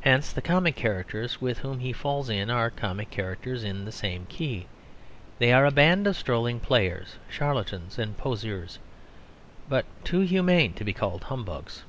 Hence the comic characters with whom he falls in are comic characters in the same key; they are a band of strolling players, charlatans and poseurs, but too humane to be called humbugs.